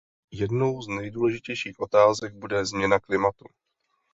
Jednou z nejdůležitějších otázek bude změna klimatu.